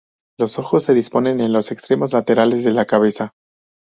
Los ojos se disponen en los extremos laterales de la cabeza.